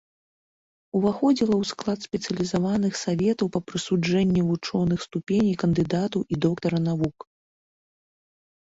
Уваходзіла ў склад спецыялізаваных саветаў па прысуджэнні вучоных ступеней кандыдата і доктара навук.